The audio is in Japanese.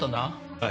はい。